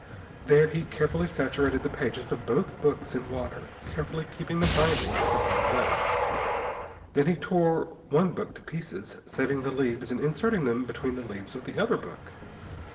There he carefully saturated the pages of both books in water, carefully keeping the bindings from being wetted. Then he tore one book to pieces, saving the leaves and inserting them between the leaves of the other book.